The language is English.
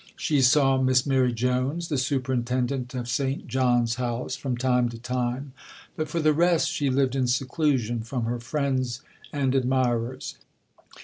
She saw Miss Mary Jones, the Superintendent of St. John's House, from time to time; but for the rest she lived in seclusion from her friends and admirers.